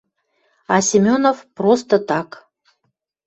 А Семенов... просто — так!